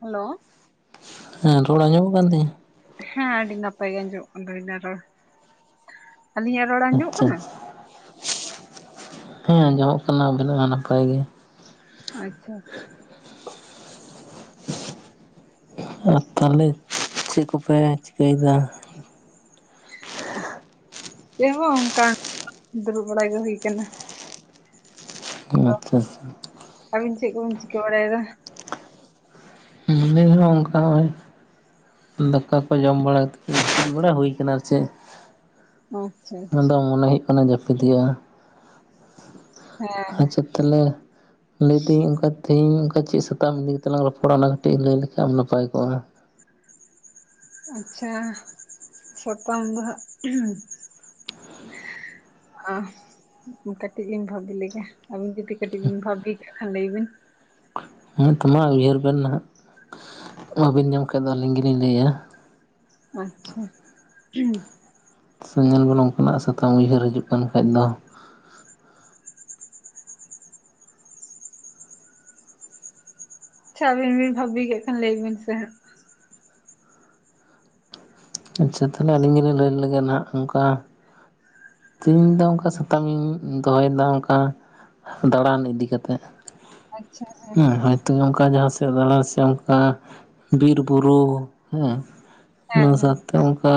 Hello? ᱦᱮᱸ ᱨᱚᱲ ᱟᱸᱡᱚᱢᱚᱜ ᱠᱟᱱ ᱛᱤᱧᱟ? ᱦᱮᱸ ᱟᱹᱰᱤ ᱱᱟᱯᱟᱭ ᱜᱮ ᱟᱸᱡᱚᱢᱚᱜ ᱠᱟᱱ ᱛᱟᱵᱤᱱᱟ ᱨᱚᱲ ᱟᱹᱞᱤᱧ ᱟᱜ ᱟᱪᱷᱟ ᱟᱪᱷᱟ, ᱦᱮᱸ ᱟᱸᱡᱚᱢᱚᱜ ᱠᱟᱱᱟ ᱟᱵᱤᱱᱟᱜ ᱦᱚᱸ ᱱᱟᱯᱟᱭ ᱜᱮ। ᱟᱪᱷᱟ ᱟᱪᱷᱟ, ᱟᱨ ᱛᱟᱦᱞᱮ ᱪᱮᱫ ᱠᱚᱯᱮ ᱪᱤᱠᱟᱹᱭ ᱫᱟ? ᱪᱮ ᱦᱚᱸ ᱵᱟ ᱚᱱᱠᱟ ᱫᱩᱲᱩᱵ ᱵᱟᱲᱟ ᱜᱮ ᱦᱩᱭ ᱟᱠᱟᱱᱟ। ᱟᱪᱷᱟ ᱟᱪᱷᱟ, ᱟᱹᱵᱤᱱ ᱪᱮᱫ ᱠᱚ ᱵᱤᱱ ᱪᱤᱠᱟᱹ ᱵᱟᱲᱟᱭ ᱫᱟ? ᱦᱩ ᱟᱞᱤᱧ ᱦᱚᱸ ᱚᱱᱠᱟ ᱦᱚᱜ-ᱚᱭ। ᱫᱟᱠᱟ ᱠᱚ ᱡᱚᱢ ᱵᱟᱲᱟ ᱠᱟᱛᱮᱫ ᱫᱩᱲᱩᱵᱽ ᱵᱟᱲᱟ ᱦᱩᱭ ᱠᱟᱱᱟ ᱪᱮᱫ [unintelligible] ᱟᱫᱚ ᱢᱚᱱᱮ ᱦᱩᱭᱩᱜ ᱠᱟᱱᱟ ᱡᱟᱹᱯᱤᱫ ᱦᱩᱭᱩᱜ-ᱟ, ᱦᱮᱸ ᱦᱮᱸ ᱟᱪᱪᱷᱟ ᱛᱟᱦᱚᱸᱞᱮ ᱞᱟᱹᱭᱫᱟᱹᱧ ᱚᱱᱠᱟ ᱛᱮᱦᱤᱧ ᱚᱱᱠᱟ ᱪᱮᱫ ᱥᱟᱛᱟᱢ ᱤᱫᱤ ᱠᱟᱛᱮ ᱞᱟᱝ ᱨᱚᱯᱚᱲᱟ ᱚᱱᱟ ᱠᱟᱹᱴᱤᱡ ᱞᱟᱹᱭ ᱞᱮᱠᱷᱟᱱ ᱱᱟᱯᱟᱭ ᱠᱚᱜ-ᱟ। ᱟᱪᱪᱷᱟ, ᱥᱟᱛᱟᱢ ᱫᱚ ᱦᱟᱸᱜ ᱩᱸ ᱦᱩ [inaudible] ᱚ, ᱠᱟᱴᱤᱡ ᱤᱧ ᱵᱷᱟᱵᱤ ᱞᱮᱜᱮ ᱟᱵᱤᱱ ᱡᱩᱫᱤ ᱠᱟᱹᱴᱤᱡ ᱵᱤᱱ ᱵᱷᱟᱵᱤ ᱠᱟᱜ ᱠᱷᱟᱱ ᱞᱟᱹᱭ ᱵᱤᱱ? ᱦᱮᱸ ᱛᱚ ᱢᱟ ᱩᱭᱦᱟᱹᱨ ᱵᱮᱱ ᱱᱟᱦᱟᱸᱜ ᱵᱟᱵᱮᱱ ᱧᱟᱢ ᱠᱷᱟᱡ ᱫᱚ ᱟᱹᱞᱤᱧ ᱜᱮᱞᱤᱧ ᱞᱟᱹᱭ-ᱟ। ᱟᱪᱪᱷᱟ ᱦᱩ, ᱥᱮ ᱧᱮᱞ ᱵᱮᱱ ᱚᱱᱠᱟᱱᱟᱜ ᱥᱟᱛᱟᱢ ᱩᱭᱦᱟᱹᱨ ᱦᱤᱡᱩᱜ ᱠᱟᱱ ᱠᱷᱟᱡ ᱫᱚ? ᱟᱪᱪᱷᱟ ᱟᱹᱵᱤᱱ ᱵᱤᱱ ᱵᱷᱟᱹᱵᱤ ᱠᱮᱫ ᱠᱷᱟᱱ ᱞᱟᱹᱭ ᱵᱤᱱ ᱥᱮ ᱦᱟᱸᱜ। ᱟᱪᱪᱷᱟ ᱛᱟᱦᱚᱸᱞᱮ ᱟᱹᱞᱤᱧ ᱜᱮᱞᱤᱧ ᱞᱟᱹᱭ ᱞᱮᱜᱮ ᱱᱟᱦᱟᱸᱜ ᱚᱱᱠᱟ ᱛᱮᱦᱮᱸᱧ ᱫᱚ ᱚᱱᱠᱟ ᱥᱟᱛᱟᱢ ᱤᱧ ᱫᱚᱦᱚᱭᱮᱫᱟ ᱚᱱᱠᱟ ᱫᱟᱬᱟᱱ ᱤᱫᱤ ᱠᱟᱛᱮᱫ। ᱟᱪᱪᱷᱟ [inaudible] ᱦᱩ ᱛᱚ ᱚᱱᱠᱟ ᱡᱟᱦᱟᱸ ᱥᱮᱫ ᱫᱟᱬᱟᱱ ᱥᱮ ᱚᱱᱠᱟ ᱵᱤᱨ ᱵᱩᱨᱩ ᱦᱮᱸ ᱦᱮᱸ ᱚᱱᱟ ᱦᱮᱸ ᱥᱟᱜ-ᱛᱮ ᱚᱱᱠᱟ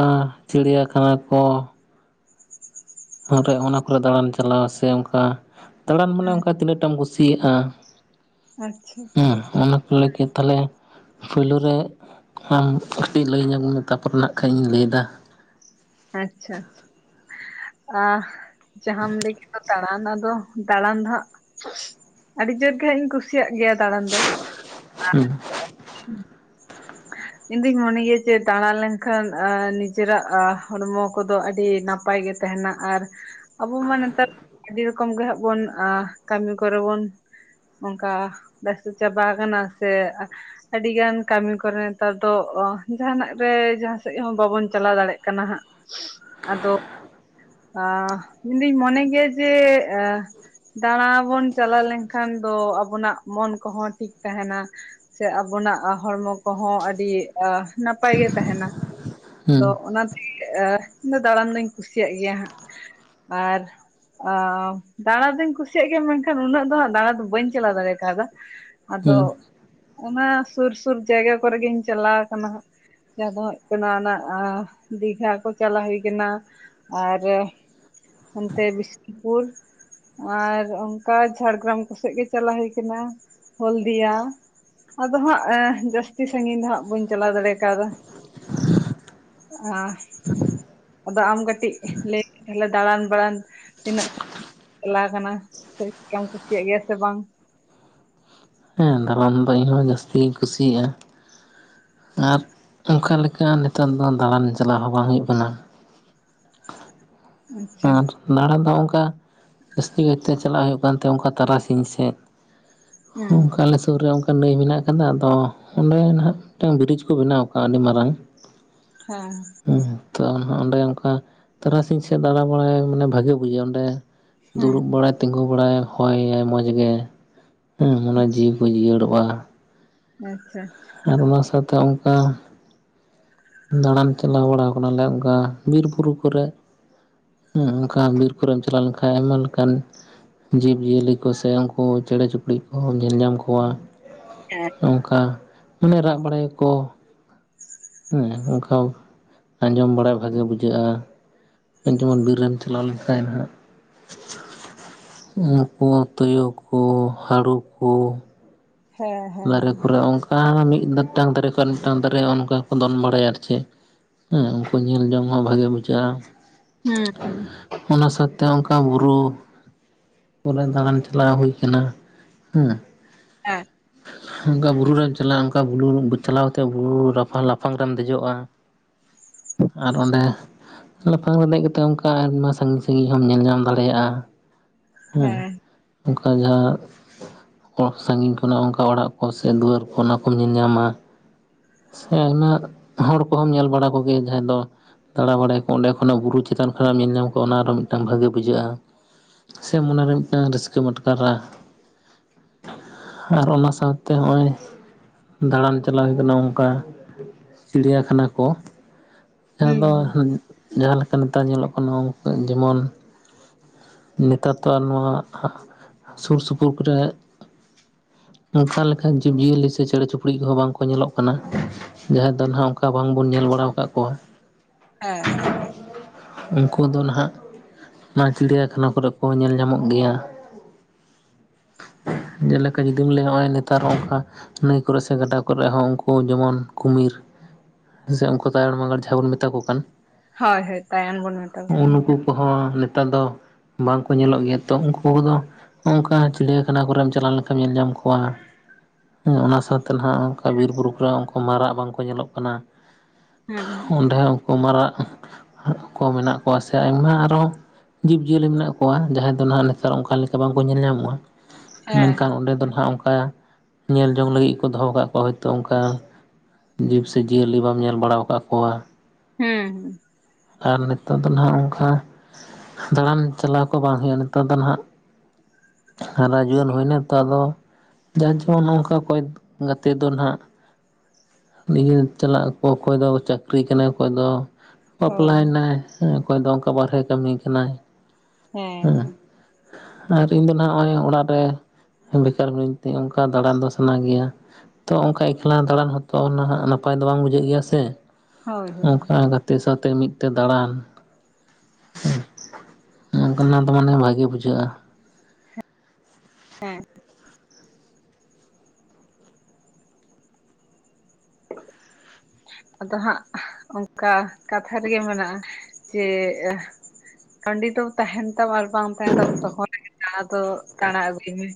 ᱪᱤᱲᱭᱟᱠᱷᱟᱱᱟ ᱠᱚ [unintelligible] ᱚᱱᱟ ᱠᱚᱨᱮ ᱫᱟᱬᱟᱱ ᱪᱟᱞᱟᱣ ᱥᱮ ᱚᱱᱠᱟ ᱫᱟᱬᱟᱱ ᱢᱟᱱᱮ ᱦᱮᱸ, ᱚᱱᱠᱟ ᱛᱤᱱᱟᱹᱜ ᱴᱟᱢ ᱠᱩᱥᱤᱭᱟᱜ-ᱟ? ᱟᱪᱪᱷᱟ, ᱦᱮᱸ ᱚᱱᱟ ᱠᱚ ᱞᱟᱹᱜᱤᱫ ᱛᱟᱦᱚᱸᱞᱮ ᱯᱩᱭᱞᱳ ᱨᱮ ᱟᱢ ᱠᱟᱹᱴᱤᱡ ᱞᱟᱹᱭ ᱧᱚᱜ ᱢᱮ ᱛᱟᱯᱚᱨᱮ ᱱᱟᱜ ᱠᱷᱟᱡ ᱤᱧ ᱞᱟᱹᱭᱮᱫᱟ। ᱟᱪᱪᱷᱟ ᱟᱪᱪᱷᱟ। ᱟ ᱡᱟᱦᱟᱢ ᱞᱟᱹᱭ ᱠᱮᱫ ᱫᱚ ᱫᱟᱬᱟᱱ ᱟᱫᱚ, ᱫᱟᱬᱟᱱ ᱫᱚ ᱦᱟᱸᱜ ᱟᱹᱰᱤ ᱡᱳᱨ ᱜᱮ ᱦᱟᱸᱜ ᱤᱧ ᱠᱩᱥᱤᱭᱟᱜ ᱜᱮᱭᱟ ᱫᱟᱬᱟᱱ ᱫᱚ ᱦᱩᱸ, ᱤᱧᱫᱩᱧ ᱢᱚᱱᱮ ᱜᱮᱭᱟ ᱡᱮ ᱫᱟᱬᱟ ᱞᱮᱱᱠᱷᱟᱱ ᱟ ᱱᱤᱡᱮᱨᱟᱜ ᱟ ᱦᱚᱲᱢᱚ ᱠᱚᱫᱚ ᱟᱹᱰᱤ ᱱᱟᱯᱟᱭ ᱜᱮ ᱛᱟᱦᱮᱸᱱᱟ ᱟᱨ ᱟᱵᱚ ᱢᱟ ᱱᱮᱛᱟᱨ ᱟᱹᱰᱤ ᱨᱚᱠᱚᱢ ᱜᱮ ᱦᱟᱸᱜ ᱵᱚᱱ ᱟ ᱠᱟᱹᱢᱤ ᱠᱚᱨᱮ ᱵᱚᱱ ᱚᱱᱠᱟ ᱵᱮᱥᱛᱚ ᱪᱟᱵᱟ ᱟᱠᱟᱱᱟ, ᱥᱮ ᱟᱹᱰᱤ ᱜᱟᱱ ᱠᱟᱹᱢᱤ ᱠᱚ ᱠᱚᱨᱮ ᱱᱮᱛᱟᱨ ᱫᱚ ᱚ ᱡᱟᱦᱟᱸᱱᱟᱜ ᱨᱮ, ᱡᱟᱦᱟᱸ ᱥᱮᱫ ᱦᱚᱸ ᱵᱟᱵᱚᱱ ᱪᱟᱞᱟᱣ ᱫᱟᱲᱮᱭᱟᱜ ᱠᱟᱱᱟ ᱦᱟᱸᱜ᱾ ᱟᱫᱚ ᱟᱻ ᱤᱧᱫᱩᱧ ᱢᱚᱱᱮ ᱜᱮᱭᱟ ᱡᱮ ᱮᱸ ᱫᱟᱬᱟ ᱵᱚᱱ ᱪᱟᱞᱟᱣ ᱞᱮᱱᱠᱷᱟᱱ ᱫᱚ ᱟᱵᱚᱱᱟᱜ ᱢᱚᱱ ᱠᱚᱦᱚᱸ ᱴᱷᱤᱠ ᱛᱟᱦᱮᱸᱱᱟ᱾ ᱥᱮ ᱟᱵᱚᱱᱟᱜ ᱦᱚᱲᱢᱚ ᱠᱚᱦᱚᱸ ᱟᱹᱰᱤ ᱟ ᱱᱟᱯᱟᱭ ᱜᱮ ᱛᱟᱦᱮᱸᱱᱟ᱾ ᱦᱮᱸ ᱟᱫᱚ ᱚᱱᱟᱛᱮ ᱟ ᱤᱧ ᱫᱚ ᱫᱟᱬᱟᱱ ᱫᱩᱧ ᱠᱩᱥᱤᱭᱟᱜ ᱜᱮᱭᱟ ᱦᱟᱸᱜ ᱟᱨ ᱟ ᱫᱟᱬᱟ ᱫᱩᱧ ᱠᱩᱥᱤᱭᱟᱜ ᱜᱮᱭᱟ ᱢᱮᱱᱠᱷᱟᱱ ᱩᱱᱟᱹᱜ ᱫᱚ ᱦᱟᱜ ᱫᱟᱬᱟ ᱫᱚ ᱵᱟᱹᱧ ᱪᱟᱞᱟᱣ ᱫᱟᱲᱮ ᱠᱟᱣᱫᱟ᱾ ᱟᱫᱚ ᱦᱮᱸ ᱚᱱᱟ ᱥᱩᱨ ᱥᱩᱨ ᱡᱟᱭᱜᱟ ᱠᱚᱨᱮ ᱜᱤᱧ ᱪᱟᱞᱟᱣ ᱠᱟᱱᱟ ᱦᱟᱸᱜ᱾ ᱡᱟᱦᱟᱸ ᱫᱚ ᱦᱩᱭᱩᱜ ᱠᱟᱱᱟ ᱚᱱᱟ ᱟ ᱫᱤᱜᱷᱟ ᱠᱚ ᱪᱟᱞᱟᱣ ᱦᱩᱭ ᱠᱟᱱᱟ᱾ ᱟᱨᱮᱻ ᱚᱱᱛᱮ ᱵᱤᱥᱱᱩᱯᱩᱨ᱾ ᱟᱨ ᱚᱱᱠᱟ ᱡᱷᱟᱲᱜᱨᱟᱢ ᱠᱚᱥᱮᱫ ᱜᱮ ᱪᱟᱞᱟᱣ ᱦᱩᱭ ᱠᱟᱱᱟ, ᱦᱚᱞᱫᱤᱭᱟ ᱟᱫᱚ ᱦᱟᱸᱜ ᱮᱸ ᱡᱟᱹᱥᱛᱤ ᱥᱟᱜᱤᱧ ᱫᱚ ᱦᱟᱸᱜ ᱵᱟᱹᱧ ᱪᱟᱞᱟᱣ ᱫᱟᱲᱮ ᱠᱟᱣᱫᱟ᱾ ᱟ ᱟᱫᱚ ᱟᱢ ᱠᱟᱹᱴᱤᱡ ᱞᱟᱹᱭ [inaudible] ᱫᱟᱬᱟᱱ ᱵᱟᱲᱟᱱ ᱛᱤᱱᱟᱹᱜ ᱪᱟᱞᱟᱣ ᱠᱟᱱᱟ ᱥᱮ, ᱪᱮᱫ ᱞᱮᱠᱟᱢ ᱠᱩᱥᱤᱭᱟᱜ ᱜᱮᱭᱟ ᱥᱮ ᱵᱟᱝ? ᱫᱟᱨᱟᱱ ᱫᱚ ᱤᱧ ᱦᱚᱸ ᱡᱟᱹᱥᱛᱤ ᱜᱤᱧ ᱠᱩᱥᱤᱭᱟᱜᱼᱟ᱾ ᱟᱨ ᱚᱱᱠᱟ ᱞᱮᱠᱟ ᱱᱮᱛᱟᱨ ᱫᱚ ᱫᱟᱬᱟᱱ ᱪᱟᱞᱟᱜ ᱦᱚᱸ ᱵᱟᱝ ᱦᱩᱭᱩᱜ ᱠᱟᱱᱟ᱾ ᱟᱪᱪᱷᱟ ᱟᱨ ᱫᱟᱬᱟ ᱫᱚ ᱚᱱᱠᱟ ᱡᱟᱹᱥᱛᱤ ᱠᱟᱭᱛᱮ ᱪᱟᱞᱟᱜ ᱦᱩᱭᱩᱜ ᱠᱟᱱᱛᱮ ᱚᱱᱠᱟ ᱛᱟᱨᱟᱥᱤᱧ ᱥᱮᱫ᱾ ᱦᱮᱸ ᱚᱱᱠᱟ ᱟᱞᱮ ᱥᱩᱨ ᱨᱮ ᱚ ᱠᱟ ᱱᱟᱹᱭ ᱢᱮᱱᱟᱜ ᱟᱠᱟᱫᱟ ᱟᱫᱚ ᱚᱸᱰᱮ ᱱᱟᱦᱟᱜ ᱢᱤᱫᱴᱟᱝ ᱵᱨᱤᱡᱽ ᱠᱚ ᱵᱮᱱᱟᱣ ᱟᱠᱟᱜᱼᱟ ᱟᱹᱰᱤ ᱢᱟᱨᱟᱝ᱾ ᱦᱮᱸ᱾ ᱦᱮᱸ ᱛᱚ ᱚᱸᱰᱮ ᱚᱱᱠᱟ ᱛᱟᱨᱟᱥᱤᱧ ᱥᱮᱫ ᱫᱟᱬᱟ ᱵᱟᱲᱟᱭ ᱢᱟᱱᱮ ᱵᱷᱟᱜᱮ ᱵᱩᱡᱷᱟᱹᱜᱼᱟ ᱚᱸᱰᱮ ᱫᱩᱲᱩᱵ ᱦᱮᱸ ᱵᱟᱲᱟᱭ, ᱛᱤᱜᱩ ᱵᱟᱲᱟᱭ, ᱦᱚᱭᱟᱭ ᱢᱚᱸᱡᱽ ᱜᱮ ᱦᱩᱸ, ᱢᱚᱱᱮ ᱡᱤᱣᱤ ᱠᱚ ᱡᱤᱭᱟᱹᱲᱚᱜᱼᱟ᱾ ᱟᱪᱪᱷᱟ ᱟᱪᱪᱷᱟ᱾ ᱟᱨ ᱚᱱᱟ ᱥᱟᱶᱛᱮ ᱚᱱᱠᱟ ᱫᱟᱬᱟᱱ ᱪᱟᱞᱟᱣ ᱵᱟᱲᱟᱣ ᱟᱠᱟᱱᱟᱞᱮ ᱚᱱᱠᱟ ᱵᱤᱨ ᱵᱩᱨᱩ ᱠᱚᱨᱮᱜ᱾ ᱦᱩᱸ ᱚᱱᱠᱟ ᱵᱤᱨ ᱠᱚᱨᱮᱢ ᱪᱟᱞᱟᱣ ᱞᱮᱱᱠᱷᱟᱡ ᱟᱭᱢᱟ ᱞᱮᱠᱟᱱ ᱡᱤᱵᱽ ᱡᱤᱭᱟᱹᱞᱤ ᱠᱚ ᱥᱮ ᱩᱱᱠᱩ ᱪᱮᱬᱮ ᱪᱩᱯᱲᱩ ᱠᱚ ᱧᱮᱞ ᱧᱟᱢ ᱠᱚᱣᱟ᱾ ᱦᱮᱸ ᱚᱝᱠᱟ ᱢᱟᱱᱮ ᱨᱟᱜ ᱵᱟᱲᱟᱭᱟᱠᱚ᱾ ᱦᱮᱸ, ᱚᱱᱠᱟ ᱟᱡᱚᱢ ᱵᱟᱲᱟᱭ ᱵᱷᱟᱜᱮ ᱵᱩᱡᱷᱟᱹᱜᱼᱟ᱾ ᱡᱮᱢᱚᱱ ᱵᱤᱨ ᱨᱮᱢ ᱪᱟᱞᱟᱣ ᱞᱮᱱᱠᱷᱟᱡ ᱱᱟᱦᱟᱸᱜ ᱩᱱᱠᱩ ᱛᱩᱭᱩ ᱠᱚ ᱦᱟᱹᱲᱩ ᱠᱚ ᱦᱮᱸ ᱦᱮᱸ ᱫᱟᱨᱮ ᱠᱚᱨᱮᱜ ᱚᱱᱠᱟ ᱢᱤᱫ-ᱢᱤᱫᱴᱟᱝ ᱫᱟᱨᱮ ᱠᱷᱚᱱ ᱟᱨ ᱢᱤᱫᱴᱟᱝ ᱫᱟᱨᱮ ᱚᱱᱠᱟ ᱠᱚ ᱫᱚᱱ ᱵᱟᱲᱟᱭᱟ ᱟᱨ ᱪᱮᱫ᱾ ᱦᱩᱸ ᱩᱱᱠᱩ ᱧᱮᱞ ᱡᱚᱝ ᱦᱚᱸ ᱵᱷᱟᱜᱮ ᱵᱩᱡᱷᱟᱹᱜᱼᱟ᱾ ᱦᱮᱸ ᱦᱩᱸ᱾ ᱚᱱᱟ ᱥᱟᱶᱛᱮ ᱚᱱᱠᱟ ᱵᱩᱨᱩ ᱠᱚᱨᱮ ᱫᱟᱬᱟᱱ ᱪᱟᱞᱟᱣ ᱦᱩᱭ ᱟᱠᱟᱱᱟ, ᱦᱩᱸ ᱦᱮᱸ᱾ ᱚᱱᱠᱟ ᱵᱩᱨᱩ ᱨᱮᱢ ᱪᱟᱞᱟᱜᱼᱟ ᱚᱱᱠᱟ ᱵᱩᱨᱩ ᱪᱟᱞᱟᱣ ᱠᱟᱛᱮᱫ ᱵᱩᱨᱩ ᱨᱟᱯᱷᱟᱝ ᱞᱟᱯᱷᱟᱝ ᱨᱮᱢ ᱫᱮᱡᱚᱜᱼᱟ᱾ ᱟᱨ ᱚᱰᱮᱸ ᱞᱟᱯᱷᱟᱝ ᱨᱮ ᱫᱮᱡ ᱠᱟᱛᱮ ᱚᱱᱠᱟ ᱟᱭᱢᱟ ᱥᱟᱺᱜᱤᱧ ᱥᱟᱺᱜᱤᱧ ᱦᱚᱢ ᱧᱮᱞ ᱧᱟᱢ ᱫᱟᱲᱮᱭᱟᱜᱼᱟ᱾ ᱦᱮᱸ ᱚᱱᱠᱟ ᱡᱟᱦᱟᱸ ᱦᱚᱲ ᱥᱟᱺᱜᱤᱧ ᱠᱷᱚᱱᱟᱜ ᱚᱱᱠᱟ ᱚᱲᱟᱜ ᱠᱚ ᱥᱮ ᱫᱩᱣᱟᱹᱨ ᱠᱚ ᱚᱱᱟ ᱠᱚᱢ ᱧᱮᱞ ᱧᱟᱢᱟ᱾ ᱥᱮ ᱟᱭᱢᱟ ᱦᱚᱲ ᱠᱚᱦᱚᱸᱢ ᱧᱮᱞ ᱵᱟᱲᱟ ᱠᱚᱜᱮᱭᱟ ᱡᱟᱦᱟᱸ ᱫᱚ ᱫᱟᱬᱟ ᱵᱟᱲᱟᱭᱟᱠᱚ, ᱚᱸᱰᱮ ᱠᱷᱚᱱᱟᱜ ᱵᱩᱨᱩ ᱪᱮᱛᱟᱱ ᱠᱷᱚᱱᱟᱜ ᱮᱢ ᱧᱮᱞ ᱧᱟᱢ ᱠᱚᱜᱟ ᱚᱱᱟ ᱟᱨᱚ ᱢᱤᱫᱴᱟᱝ ᱵᱷᱟᱜᱮ ᱵᱩᱡᱷᱟᱹᱜᱼᱟ᱾ ᱥᱮ ᱢᱚᱱᱮᱨᱮ ᱢᱤᱫᱴᱟᱝ ᱨᱟᱹᱥᱠᱟᱹᱢ ᱟᱴᱠᱟᱨᱟ᱾ ᱟᱨ ᱚᱱᱟ ᱥᱟᱶᱛᱮ ᱦᱚᱸᱜᱼᱚᱭ ᱫᱟᱬᱟᱱ ᱪᱟᱞᱟᱣ ᱦᱩᱭ ᱠᱟᱱᱟ ᱚᱱᱠᱟ ᱪᱤᱲᱤᱭᱟᱠᱷᱟᱱᱟ ᱠᱚ᱾ ᱡᱟᱦᱟᱸ ᱦᱩᱸ ᱫᱚ ᱦᱩᱸ ᱡᱟᱦᱟᱸ ᱞᱮᱠᱟ ᱱᱮᱛᱟᱨ ᱧᱮᱞᱚᱜ ᱠᱟᱱᱟ ᱚ ᱡᱮᱢᱚᱱ ᱱᱮᱛᱟᱨ ᱛᱚ ᱱᱚᱣᱟ ᱥᱩᱨ ᱥᱩᱯᱩᱨ ᱠᱚᱨᱮᱜ ᱚᱱᱠᱟ ᱞᱮᱠᱟᱱ ᱡᱤᱵᱽᱡᱤᱭᱟᱹᱞᱤ ᱥᱮ ᱪᱮᱬᱮ ᱪᱩᱯᱲᱤᱡ ᱠᱚᱦᱚᱸ ᱵᱟᱝᱠᱚ ᱧᱮᱞᱚᱜ ᱠᱟᱱᱟ᱾ ᱡᱟᱦᱟᱸ ᱨᱮ ᱫᱚ ᱱᱟᱦᱟᱜ ᱚᱱᱠᱟ ᱵᱟᱝᱵᱚᱱ ᱧᱮᱞ ᱵᱟᱲᱟᱣ ᱟᱠᱟᱫ ᱠᱚᱣᱟ᱾ ᱦᱮᱸ᱾ ᱩᱱᱠᱩ ᱫᱚ ᱱᱟᱦᱟᱜ ᱚᱱᱟ ᱪᱤᱲᱤᱭᱟᱠᱷᱟᱱᱟ ᱠᱚᱨᱮᱜ ᱠᱚ ᱧᱮᱞ ᱧᱟᱢᱚᱜ ᱜᱮᱭᱟ᱾ ᱡᱮᱞᱮᱠᱟ ᱡᱩᱫᱤᱢ ᱞᱮᱭᱟ ᱦᱚᱸᱜᱼᱚᱭ ᱱᱮᱛᱟᱨ ᱦᱚᱸᱜ-ᱚᱱᱠᱟ ᱱᱟᱹᱭ ᱠᱚᱨᱮ ᱥᱮ ᱜᱟᱰᱟ ᱠᱚᱨᱮᱜ ᱦᱚᱸ ᱩᱱᱠᱩ ᱡᱮᱢᱚᱱ ᱠᱩᱢᱤᱨ ᱥᱮ ᱩᱱᱠᱩ ᱛᱟᱭᱟᱲ ᱢᱟᱜᱟᱲ ᱡᱟᱦᱟᱸ ᱵᱚᱱ ᱢᱮᱛᱟ ᱠᱚ ᱠᱟᱱ ᱦᱳᱭ ᱦᱳᱭ ᱛᱟᱭᱟᱱ ᱵᱚᱱ ᱢᱮᱛᱟ ᱦᱩᱸᱜ-ᱩᱸ ᱠᱚᱣᱟ ᱱᱩᱠᱩ ᱠᱚᱦᱚᱸ ᱱᱮᱛᱟᱨ ᱫᱚ ᱵᱟᱝᱠᱚ ᱧᱮᱞᱚᱜ ᱜᱮᱭᱟ ᱛᱚ ᱩᱱᱠᱩ ᱠᱚᱫᱚ ᱱᱚ ᱚᱝᱠᱟ ᱪᱲᱭᱟᱠᱷᱟᱱᱟ ᱠᱚᱨᱮᱢ ᱪᱟᱞᱟᱣ ᱞᱮᱱᱠᱷᱟᱱ ᱧᱮᱞ ᱧᱟᱢ ᱠᱚᱣᱟ᱾ ᱦᱩᱸ ᱚᱱᱟ ᱥᱟᱶᱛᱮ ᱱᱟᱦᱟᱜ ᱚᱱᱠᱟ ᱵᱤᱨᱵᱩᱨᱩ ᱠᱚᱨᱮ ᱩᱱᱠᱩ ᱢᱟᱨᱟᱜ ᱵᱟᱝᱠᱚ ᱧᱮᱞᱚᱜ ᱠᱟᱱᱟ᱾ ᱦᱮᱸ ᱦᱮᱸ ᱚᱸᱰᱮ ᱦᱚᱸ ᱩᱱᱠᱩ ᱢᱟᱨᱟᱜ ᱠᱚ ᱢᱮᱱᱟᱜ ᱠᱚᱣᱟ ᱥᱮ ᱟᱭᱢᱟ ᱟᱨᱚ ᱡᱤᱵᱽᱡᱤᱭᱟᱹᱞᱤ ᱢᱮᱱᱟᱜ ᱠᱚᱣᱟ᱾ ᱡᱟᱦᱟᱸᱭ ᱫᱚ ᱱᱟᱦᱟᱜ ᱱᱮᱛᱟᱨ ᱚᱱᱠᱟ ᱞᱮᱠᱟ ᱵᱟᱝᱠᱚ ᱧᱮᱞ ᱧᱟᱢᱚᱜ-ᱟ᱾ ᱦᱮᱸ ᱢᱮᱱᱠᱷᱟᱱ ᱚᱸᱰᱮ ᱫᱚ ᱱᱟᱦᱟᱸᱜ ᱚᱱᱠᱟ ᱧᱮᱞ ᱡᱚᱝ ᱞᱟᱹᱜᱤᱫ ᱠᱚ ᱫᱚᱦᱚ ᱠᱟᱜ ᱠᱚᱣᱟ ᱦᱳᱭᱛᱳ ᱚᱱᱠᱟ᱾ ᱡᱤᱵᱽ ᱥᱮ ᱡᱤᱭᱟᱹᱞᱤ ᱵᱟᱢ ᱧᱮᱞ ᱵᱟᱲᱟᱣ ᱟᱠᱟᱫ ᱠᱚᱣᱟ᱾ ᱦᱮᱸ ᱦᱮᱸ᱾ ᱟᱨ ᱱᱤᱛᱚᱜ ᱫᱚ ᱱᱟᱦᱟᱜ ᱚᱱᱠᱟ ᱫᱟᱬᱟᱱ ᱪᱟᱞᱟᱣ ᱠᱚ ᱵᱟᱝ ᱦᱩᱭᱩᱜᱼᱟ ᱱᱮᱛᱚᱜ ᱫᱚ ᱱᱟᱦᱟᱜ ᱦᱟᱨᱟ ᱡᱩᱣᱟᱹᱱ ᱦᱩᱭᱱᱟ ᱛᱚ ᱟᱫᱚ ᱡᱟᱨ ᱡᱮᱢᱚᱱ ᱱᱚᱝᱠᱟ ᱠᱚᱭ ᱜᱟᱛᱮ ᱫᱚ ᱱᱟᱦᱟᱜ ᱱᱤᱭᱟᱹᱛ ᱪᱟᱞᱟᱜ ᱟᱠᱚ ᱚᱠᱚᱭ ᱫᱚ ᱪᱟᱹᱠᱨᱤ ᱠᱟᱱᱟᱭ ᱚᱠᱚᱭ ᱫᱚ ᱦᱳᱭ ᱦᱳᱭ ᱵᱟᱯᱞᱟᱭᱮᱱᱟᱭ᱾ ᱦᱮᱸ ᱚᱠᱚᱭ ᱫᱚ ᱚᱱᱠᱟ ᱵᱟᱨᱦᱨᱮ ᱠᱟᱹᱢᱤ ᱠᱟᱱᱟᱭ ᱦᱮᱸ᱾ ᱟᱨ ᱤᱧ ᱫᱚ ᱱᱟᱦᱟᱜ ᱱᱚᱜ-ᱚᱭ ᱚᱲᱟᱜ ᱨᱮ᱾ ᱦᱮᱸ ᱵᱮᱠᱟᱨ ᱢᱤᱱᱟᱹᱧ ᱛᱮ ᱚᱱᱠᱟ ᱫᱟᱬᱟᱱ ᱫᱚ ᱥᱟᱱᱟ ᱜᱮᱭᱟ᱾ ᱛᱚ ᱚᱱᱠᱟ ᱮᱠᱞᱟ ᱫᱟᱬᱟᱱ ᱦᱚᱸ ᱛᱚ ᱚᱱᱟ ᱦᱟᱸᱜ ᱱᱟᱯᱟᱭ ᱫᱚ ᱵᱟᱝ ᱵᱩᱡᱷᱟᱹᱜ ᱜᱮᱭᱟ ᱥᱮ᱾ ᱦᱳᱭ ᱦᱳᱭ ᱚᱱᱠᱟ ᱜᱟᱛᱮ ᱥᱟᱶᱛᱮ ᱢᱤᱫ ᱛᱮ ᱫᱟᱬᱟᱱ᱾ ᱦᱩᱸ᱾ ᱱᱚᱠᱟᱱᱟᱜ ᱫᱚ ᱢᱟᱱᱮ ᱵᱷᱟᱜᱮ ᱵᱩᱡᱷᱟᱹᱜᱼᱟ᱾ ᱦᱮᱸ᱾ [inaudible] ᱟᱫᱚ ᱦᱟᱸᱜ ᱚᱱᱠᱟ ᱠᱟᱛᱷᱟ ᱨᱮᱜᱮ ᱢᱮᱱᱟᱜᱼᱟ ᱡᱮ ᱠᱟᱺᱰᱤ ᱫᱚ ᱛᱟᱦᱮᱱ ᱛᱟᱵ ᱟᱨ ᱵᱟᱝ ᱛᱟᱦᱮᱸᱱ ᱛᱟᱵᱚᱱ ᱛᱚᱠᱷᱚᱱ ᱟᱫᱚ ᱫᱟᱬᱟ ᱫᱚ ᱫᱟᱬᱟ ᱟᱹᱜᱩᱭ ᱢᱮ᱾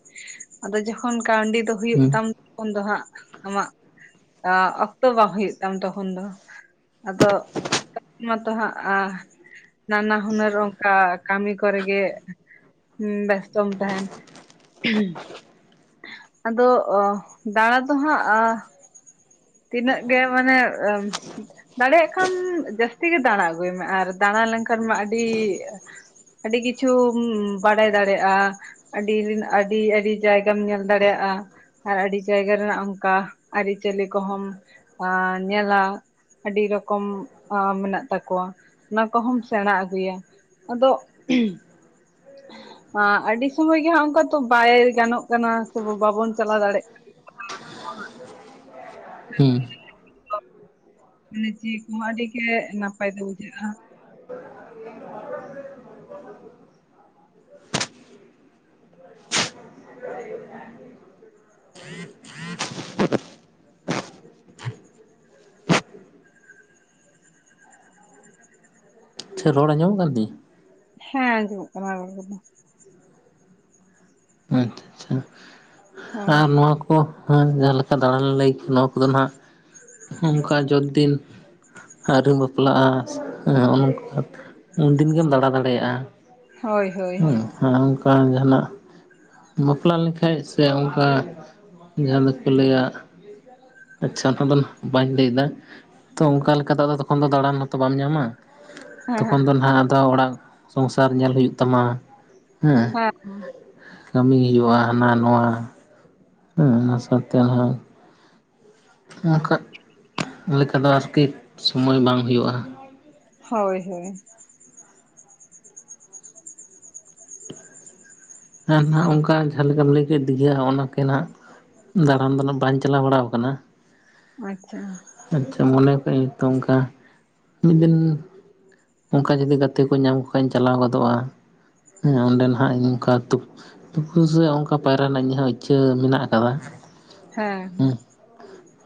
ᱟᱫᱚ ᱡᱚᱠᱷᱚᱱ ᱠᱟᱹᱣᱰᱤ ᱫᱚ ᱦᱩᱭᱩᱜ ᱦᱩᱸ ᱛᱟᱢ ᱛᱚᱠᱷᱚᱱ ᱫᱚ ᱦᱟᱸᱜ ᱟᱢᱟᱜ ᱚᱠᱛᱚ ᱟᱸ ᱵᱟᱝ ᱦᱩᱭᱩᱜ ᱛᱟᱢ ᱛᱚᱠᱷᱚᱱ ᱫᱚ᱾ ᱟᱫᱚ [inaudible] ᱢᱟᱛᱚ ᱦᱟᱸᱜ ᱟᱸ ᱱᱟᱱᱟ ᱦᱩᱱᱟᱹᱨ ᱚᱱᱠᱟ ᱠᱟᱹᱢᱤ ᱠᱚᱨᱮ ᱜᱮ ᱦᱩᱸ ᱵᱮᱥᱛᱚᱢ ᱛᱟᱦᱮᱱ᱾ ᱟᱫᱚ ᱚ ᱫᱟᱬᱟ ᱫᱚ ᱦᱟᱸᱜ ᱟ ᱛᱤᱱᱟᱹᱜ ᱜᱮ ᱢᱟᱱᱮ ᱮᱢ ᱫᱟᱲᱮᱭᱟᱜ ᱠᱷᱟᱱ ᱡᱟᱹᱥᱛᱤ ᱜᱮ ᱫᱟᱬᱟ ᱟᱹᱜᱩᱭ ᱢᱮ ᱟᱨ ᱫᱟᱬᱟ ᱞᱮᱱᱠᱷᱟᱱ ᱢᱟ ᱟᱹᱰᱤ ᱟᱹᱰᱤ ᱠᱤᱪᱷᱩᱢ ᱵᱟᱰᱟᱭ ᱫᱟᱲᱮᱭᱟᱜᱼᱟ᱾ ᱟᱹᱰᱤᱞᱤᱱ ᱟᱹᱰᱤ ᱟᱹᱰᱤ ᱡᱟᱭᱜᱟᱢ ᱧᱮᱞ ᱫᱟᱲᱮᱭᱟᱜ-ᱟ᱾ ᱟᱨ ᱟᱹᱰᱤ ᱡᱟᱭᱜᱟ ᱨᱮᱱᱟᱜ ᱚᱱᱠᱟ ᱟᱹᱨᱤᱪᱟᱞᱞᱤ ᱠᱚᱦᱚᱢ ᱟ ᱧᱮᱞᱟ᱾ ᱟᱹᱰᱤ ᱨᱚᱠᱚᱢ ᱟ ᱢᱮᱱᱟᱜ ᱛᱟᱠᱚᱣᱟ ᱚᱱᱟ ᱠᱚᱦᱚᱢ ᱥᱮᱬᱟ ᱟᱹᱜᱩᱭᱟ᱾ ᱟᱫᱚ ᱟᱸ ᱟᱹᱰᱤ ᱥᱳᱚᱢᱚᱭ ᱜᱮ ᱦᱟᱸᱜ ᱚᱱᱠᱟ ᱛᱚ ᱵᱟᱭ ᱜᱟᱱᱚᱜ ᱠᱟᱱᱟ ᱥᱮ ᱵᱟᱵᱚᱱ ᱪᱟᱞᱟᱣ ᱫᱟᱲᱮᱭᱟᱜ ᱦᱩᱸ᱾ ᱢᱟᱱᱮ ᱪᱤ ᱠᱚᱦᱚᱸ ᱟᱹᱰᱤ ᱜᱮ ᱱᱟᱯᱟᱭ ᱛᱮ ᱵᱩᱡᱷᱟᱹᱜᱼᱟ᱾ [inaudible] ᱟᱪᱪᱷᱟ ᱨᱚᱲ ᱟᱸᱡᱚ ᱢᱚᱜ ᱠᱟᱱ ᱛᱤᱧᱟ᱾ ᱦᱮᱸ ᱟᱡᱚ ᱢᱚᱜ ᱠᱟᱱᱟ ᱨᱚᱲ ᱠᱚᱫᱚ᱾ ᱟᱪᱪᱷᱟ ᱟᱪᱪᱷᱟ ᱦᱮᱸ ᱟᱨ ᱱᱚᱣᱟ ᱠᱚ ᱦᱟᱸᱱ ᱡᱟᱦᱟᱸ ᱞᱮᱠᱟ ᱫᱟᱬᱟᱱ ᱞᱟᱹᱭ ᱱᱚᱣᱟ ᱠᱚᱫᱚ ᱱᱟᱦᱟᱜ ᱚᱱᱠᱟ ᱡᱚᱛ ᱫᱤᱱ ᱟᱹᱣᱨᱤᱢ ᱵᱟᱯᱞᱟᱜ-ᱟ ᱥᱮ ᱦᱮᱜ-ᱮ ᱱᱚᱝᱠᱟ ᱩᱱᱫᱤᱱ ᱜᱮᱢ ᱫᱟᱬᱟ ᱫᱟᱲᱮᱭᱟᱜᱼᱟ᱾ ᱦᱳᱭ᱾ ᱦᱳᱭ ᱦᱩᱸ᱾ ᱦᱮᱸ ᱚᱱᱠᱟ ᱡᱟᱸᱦᱟᱱᱟᱜ ᱵᱟᱯᱞᱟ ᱞᱮᱱᱠᱷᱟᱡ ᱥᱮ ᱚᱱᱠᱟ ᱡᱟᱦᱟᱸ ᱫᱚ ᱠᱚ ᱞᱟᱹᱭ-ᱟ ᱟᱪᱪᱷᱟ, ᱚᱱᱟ ᱫᱚ ᱵᱟᱹᱧ ᱞᱟᱹᱭᱫᱟ ᱛᱚ ᱚᱝᱠᱟ ᱞᱮᱠᱟ ᱫᱚ ᱟᱫᱚ ᱛᱚᱠᱷᱚᱱ ᱫᱚ ᱫᱟᱬᱟᱱ ᱢᱟᱛᱚ ᱵᱟᱢ ᱧᱟᱢᱟ᱾ ᱦᱮᱸ ᱛᱚᱠᱷᱚᱱ ᱫᱚ ᱱᱟᱦᱟᱜ ᱟᱫᱚ ᱚᱲᱟᱜ ᱥᱚᱝᱥᱟᱨ ᱧᱮᱞ ᱦᱩᱭᱩᱜ ᱛᱟᱢᱟ, ᱦᱮᱸ [unintelligible] ᱠᱟᱹᱢᱤ ᱦᱩᱭᱩᱜᱼᱟ, ᱦᱟᱱᱟ ᱱᱚᱣᱟ ᱾ ᱦᱩᱸ, ᱚᱱᱟ ᱥᱟᱶᱛᱮ ᱦᱚᱸ ᱚᱝᱠᱟ ᱞᱮᱠᱟ ᱫᱚ ᱟᱨᱠᱤ ᱥᱩᱢᱟᱹᱭ ᱵᱟᱝ ᱦᱩᱭᱩᱜᱼᱟ᱾ ᱦᱳᱭ ᱦᱳᱭ, ᱟᱨ ᱚᱝᱠᱟ ᱡᱟᱦᱟᱸ ᱞᱮᱠᱟᱢ ᱞᱟᱹᱭ ᱠᱮᱫ ᱫᱤᱭᱟ ᱚᱝᱠᱮᱱ ᱱᱟᱜ ᱫᱟᱬᱟᱱ ᱫᱚ ᱱᱟᱜ ᱵᱟᱹᱧ ᱪᱟᱞᱟᱣ ᱵᱟᱲᱟ ᱟᱠᱟᱱᱟ ᱾ ᱟᱪᱪᱷᱟ, ᱟᱪᱪᱷᱟ, ᱢᱚᱱᱮ ᱠᱟᱜᱟᱹᱧ ᱛᱚ ᱚᱱᱠᱟ ᱢᱤᱫ ᱫᱤᱱ ᱚᱝᱠᱟ ᱡᱩᱚᱫᱤ ᱜᱟᱛᱮ ᱠᱚ ᱧᱟᱢ ᱠᱚ ᱠᱷᱟᱡ ᱤᱧ ᱪᱟᱞᱟᱣ ᱜᱚᱫᱚᱜᱼᱟ, ᱦᱮ ᱚᱸᱰᱮ ᱱᱟᱦᱟᱜ ᱤᱧ ᱚᱱᱠᱟ ᱛᱩᱠᱟᱹᱥᱮ ᱚᱝᱠᱟ ᱯᱟᱭᱨᱟ ᱨᱮᱱᱟᱜ ᱤᱧ ᱦᱚᱸ ᱤᱪᱪᱷᱟᱹ ᱢᱮᱱᱟᱜ ᱠᱟᱫᱟ ᱦᱮᱸ ᱾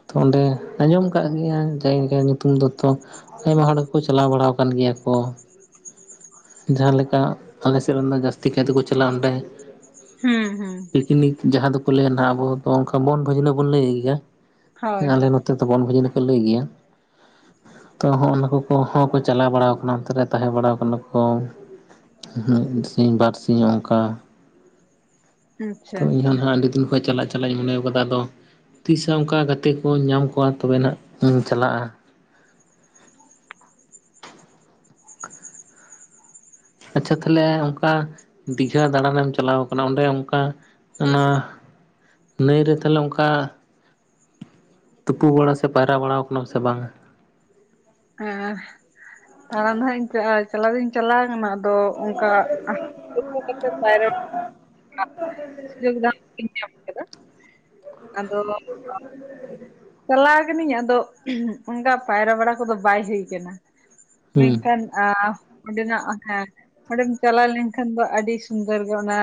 ᱛᱚ ᱚᱸᱰᱮ ᱟᱸᱡᱚᱢ ᱠᱟᱫ ᱜᱮᱭᱟᱹᱧ ᱡᱟᱭᱜᱟ ᱧᱩᱛᱩᱢ ᱫᱚ ᱛᱚ, ᱟᱭᱢᱟ ᱦᱚᱲ ᱜᱮ ᱠᱚ ᱪᱟᱞᱟᱣ ᱵᱟᱲᱟ ᱟᱠᱟᱱ ᱜᱮᱭᱟ ᱠᱚ, ᱡᱟᱦᱟᱸ ᱞᱮᱠᱟ ᱟᱞᱮ ᱥᱮᱫ ᱨᱮᱱ ᱫᱚ ᱡᱟᱹᱥᱛᱤ ᱠᱟᱭ ᱛᱮ ᱠᱚ ᱪᱟᱞᱟᱜᱼᱟ, ᱚᱸᱰᱮ ᱦᱩᱸ ᱦᱩᱸ, ᱯᱤᱠᱱᱤᱠ ᱡᱟᱦᱟᱸ ᱫᱚ ᱠᱚ ᱞᱟᱹᱭᱟ ᱱᱟᱵᱚᱱ ᱫᱚ ᱱᱚᱝᱠᱟ ᱵᱚᱱᱵᱷᱟᱹᱡᱱᱟᱹ ᱵᱚᱱ ᱞᱟᱹᱭ ᱜᱮᱭᱟ, ᱦᱳᱭ ᱟᱞᱮ [unintelligible] ᱛᱮ ᱫᱚ ᱵᱚᱱᱵᱷᱟᱹᱡᱱᱟᱹ ᱠᱚ ᱞᱟᱹᱭ ᱜᱮᱭᱟ ᱛᱚ ᱦᱚᱜ-ᱚ ᱱᱚᱣᱟ ᱠᱚ ᱦᱚᱸ᱾ ᱪᱟᱞᱟᱣ ᱵᱟᱲᱟᱣ ᱟᱠᱟᱱᱟ ᱚᱱᱛᱮ ᱨᱮ ᱛᱟᱦᱮᱸ ᱵᱟᱲᱟ ᱠᱟᱱᱟ ᱠᱚ᱾ ᱢᱤᱫ ᱥᱤᱧ ᱵᱟᱨ ᱥᱤᱧ ᱚᱝᱠᱟ ᱟᱪᱪᱷᱟ ᱛᱚ ᱤᱧ ᱟᱪᱪᱷᱟ ᱦᱚᱸ ᱦᱟᱸᱜ ᱟᱹᱰᱤ ᱫᱤᱱ ᱠᱷᱚᱡ ᱪᱟᱞᱟᱜ ᱪᱟᱞᱟᱜ ᱤᱧ ᱢᱚᱱᱮᱣ ᱟᱠᱟᱫᱟ ᱟᱫᱚ ᱛᱤᱥ ᱦᱚᱸ ᱚᱝᱠᱟ ᱜᱟᱛᱮ ᱠᱚᱧ ᱧᱟᱢ ᱠᱚᱣᱟ ᱛᱚᱵᱮ ᱱᱟᱜ ᱤᱧ ᱪᱟᱞᱟᱜᱼᱟ᱾ ᱟᱪᱪᱷᱟ ᱛᱟᱦᱞᱮ ᱚᱝᱠᱟ ᱫᱤᱜᱷᱟ ᱫᱟᱬᱟᱱ ᱮᱢ ᱪᱟᱞᱟᱣ ᱟᱠᱟᱱᱟ ᱚᱸᱰᱮ ᱚᱝᱠᱟ ᱚᱱᱟ ᱱᱟᱹᱭ ᱨᱮ ᱛᱟᱦᱞᱮ ᱚᱝᱠᱟ ᱛᱩᱯᱩ ᱵᱟᱲᱟ ᱥᱮ ᱯᱟᱭᱨᱟ ᱵᱟᱲᱟᱣ ᱠᱟᱱᱟ ᱥᱮ ᱵᱟᱝᱼᱟ? ᱦᱮᱸ, ᱛᱟᱲᱟᱱ ᱱᱟᱜ ᱤᱧ ᱪᱟᱜ-ᱟ ᱾ ᱪᱟᱞᱟᱣ ᱫᱩᱧ ᱪᱟᱞᱟᱣ ᱠᱟᱱᱟ ᱟᱫᱚ ᱚᱝᱠᱟ ᱛᱳᱯᱳ ᱠᱟᱛᱮ ᱯᱟᱭᱨᱚ [inaudible] ᱞᱟᱹᱭ ᱠᱮᱫᱟᱢ ᱤᱧ ᱧᱟᱢ ᱠᱮᱫᱟ, ᱟᱫᱚ [unintelligible] ᱪᱟᱞᱟᱣ ᱠᱟᱹᱱᱟᱹᱧ ᱟᱫᱚ ᱚᱝᱠᱟ ᱯᱟᱭᱨᱟ ᱵᱟᱲᱟ ᱠᱚ ᱫᱚ ᱵᱟᱭ ᱦᱩᱭ ᱠᱟᱱᱟ᱾ ᱢᱮᱱ ᱦᱩᱸ ᱠᱷᱟᱱ ᱟᱸ ᱚᱸᱰᱮ ᱱᱟᱜ ᱦᱮᱸ ᱚᱸᱰᱮᱢ ᱪᱟᱞᱟᱣ ᱞᱮᱱ ᱠᱷᱟᱱ ᱫᱚ ᱟᱹᱰᱤ ᱥᱩᱱᱫᱚᱨ ᱜᱮ ᱚᱱᱟ,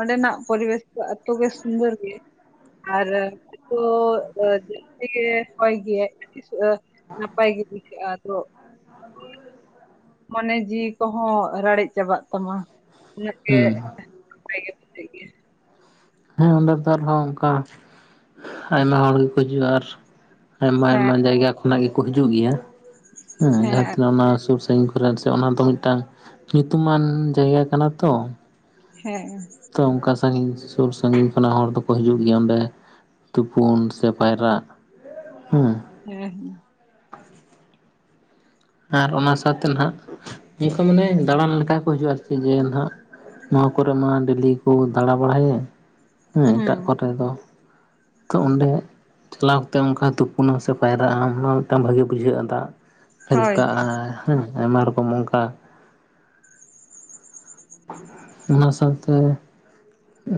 ᱚᱸᱰᱮ ᱱᱟᱜ ᱯᱚᱨᱤᱵᱮᱥ ᱫᱚ ᱟᱛᱳ ᱜᱮ ᱥᱩᱱᱫᱚᱨ ᱜᱮ ᱟᱨ ᱟᱛᱳ ᱟᱨ ᱡᱟᱹᱥᱛᱤ ᱜᱮ ᱦᱚᱭ ᱜᱮᱭᱟᱭ ᱱᱟᱯᱟᱭ ᱜᱮ ᱵᱩᱡᱷᱟᱹᱜ ᱟ ᱟᱫᱚ ᱢᱚᱱᱮ ᱡᱤᱣᱤ ᱠᱚ ᱦᱚᱸ ᱨᱟᱲᱮᱡ ᱪᱟᱵᱟᱜ ᱛᱟᱢᱟ ᱾ ᱩᱱᱟᱹᱜ ᱜᱮ ᱦᱩᱸ ᱱᱟᱯᱟᱭ ᱜᱮ ᱢᱮᱱᱟᱹᱜ ᱜᱮᱭᱟ. ᱦᱮᱸ ᱚᱸᱰᱮ ᱫᱚ ᱟᱨ ᱦᱚᱸ ᱚᱝᱠᱟ ᱟᱭᱢᱟ ᱦᱚᱲ ᱜᱮ ᱠᱚ ᱦᱤᱡᱩᱜᱼᱟ ᱟᱨ ᱟᱭᱢᱟ ᱦᱮᱸ ᱟᱭᱢᱟ ᱡᱟᱭᱜᱟ ᱠᱷᱚᱱᱟᱜ ᱜᱮ ᱠᱚ ᱦᱤᱡᱩᱜ ᱜᱮᱭᱟ ᱦᱮᱸ ᱡᱟᱦᱟᱸ ᱛᱤᱱᱟᱹᱜ ᱚᱱᱟ ᱥᱳᱨ ᱥᱳ ᱛᱩᱝᱵᱷᱚᱨᱟ ᱥᱮ ᱚᱱᱟ ᱫᱚ ᱢᱤᱫ ᱴᱟᱝ ᱧᱩᱛᱩᱢᱟᱱ ᱡᱟᱭᱜᱟ ᱠᱟᱱᱟ ᱛᱚ, ᱦᱮᱸ, ᱛᱚ ᱚᱝᱠᱟ ᱥᱟᱺᱜᱤᱧ ᱥᱩᱨ ᱥᱟᱺᱜᱤᱧ ᱠᱷᱚᱱᱟᱜ ᱦᱚᱲ ᱫᱚ ᱠᱚ ᱦᱤᱡᱩᱜ ᱜᱮᱭᱟ ᱚᱸᱰᱮ, ᱛᱳᱯᱳᱱ ᱥᱮ ᱯᱟᱭᱨᱟᱜ, ᱦᱩᱸ ᱦᱮᱸ ᱦᱩᱸ, ᱟᱨ ᱚᱱᱟ ᱥᱟᱶᱛᱮ ᱱᱟᱦᱟᱜ ᱱᱤᱭᱟᱹ ᱚᱱᱠᱟ ᱢᱟᱱᱮ ᱫᱟᱬᱟᱱ ᱞᱮᱠᱟ ᱠᱚ ᱦᱤᱡᱩᱜ-ᱟ ᱟᱨᱠᱤ ᱡᱮ ᱦᱱᱟᱜ ᱱᱚᱣᱟ ᱠᱚᱨᱮ ᱢᱟ ᱰᱮᱞᱤ ᱠᱚ ᱫᱟᱬᱟ ᱵᱟᱲᱟᱭᱟᱜ, ᱦᱮᱸ ᱮᱴᱟᱜ ᱦᱩᱸ ᱠᱚᱨᱮ ᱫᱚ ᱛᱚ ᱚᱸᱰᱮ ᱪᱟᱞᱟᱣ ᱠᱟᱛᱮᱜ ᱚᱱᱠᱟ ᱛᱩᱯᱩᱱᱟ ᱥᱮ ᱯᱟᱭᱨᱟᱜ-ᱟᱢ ᱚᱱᱟ ᱢᱤᱫᱴᱟᱝ ᱵᱷᱟᱜᱤ ᱵᱩᱡᱷᱟᱹᱜ-ᱟ ᱫᱟᱜ᱾ ᱦᱳᱭ ᱦᱮᱞᱠᱟᱜ-ᱟ ᱦᱮᱸ ᱟᱭᱢᱟ ᱨᱚᱠᱚᱢ ᱚᱝᱠᱟ᱾ ᱚᱱᱟ ᱥᱟᱶᱛᱮ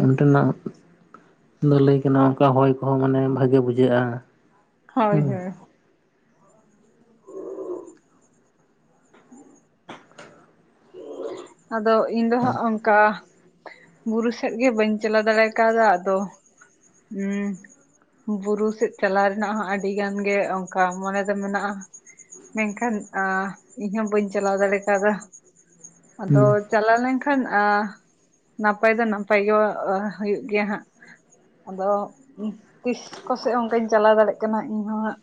ᱚᱱᱰᱮᱱᱟᱜ ᱫᱚ ᱞᱟᱹᱭ ᱠᱟᱱᱟ ᱚᱱᱠᱟ ᱦᱚᱭ ᱠᱚᱦᱚᱸ ᱢᱟᱱᱮ ᱵᱷᱟᱜᱮ ᱵᱩᱡᱷᱟᱹᱜ-ᱟ᱾ ᱦᱳᱭ ᱦᱳᱭ᱾ ᱟᱫᱚ ᱤᱧ ᱫᱚ ᱦᱟᱜ ᱚᱝᱠᱟ ᱵᱩᱨᱩ ᱥᱮᱫ ᱜᱮ ᱵᱟᱹᱧ ᱪᱟᱞᱟ ᱫᱟᱲᱮᱭ ᱠᱟᱣᱫᱟ, ᱟᱫᱚ ᱦᱩᱸ᱾ ᱵᱩᱨᱩ ᱥᱮᱜ ᱪᱟᱞᱟᱣ ᱨᱮᱱᱟᱜ ᱦᱚᱸ ᱟᱹᱰᱤ ᱜᱟᱱ ᱜᱮ ᱚᱱᱠᱟ ᱢᱚᱱᱮ ᱫᱚ ᱢᱮᱱᱟᱜ-ᱟ᱾ ᱢᱮᱱᱠᱷᱟᱱ ᱟ ᱤᱧ ᱦᱚᱸ ᱵᱟᱹᱧ ᱪᱟᱞᱟᱣ ᱫᱟᱲᱮᱭ ᱠᱟᱫᱟ᱾ ᱟᱫᱚ ᱦᱩᱸ ᱪᱟᱞᱟᱣ ᱞᱮᱱᱠᱷᱟᱱ ᱟ ᱱᱟᱯᱟᱭ ᱫᱚ ᱱᱟᱯᱟᱭ ᱜᱚᱣᱟ ᱦᱩᱭᱩᱜ ᱜᱮᱭᱟ ᱦᱟᱸᱜ᱾ ᱟᱫᱚ ᱛᱤᱥ ᱠᱚᱥᱮᱜ ᱚᱱᱠᱟᱧ ᱪᱟᱞᱟᱣ ᱫᱟᱲᱜ ᱠᱟᱱᱟ ᱤᱧᱦᱚ ᱦᱟᱜ᱾